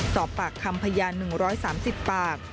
ตอบปากคำพญาณหนึ่งร้อยสามสิบปาก